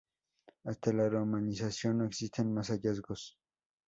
Hasta la romanización no existen más hallazgos.